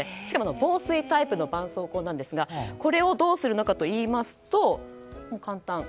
しかも防水タイプのばんそうこうですがこれをどうするのかといいますと簡単。